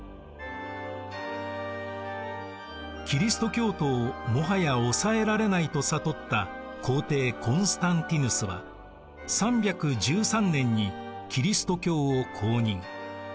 キリスト教徒をもはや抑えられないと悟った皇帝コンスタンティヌスは３１３年にキリスト教を公認。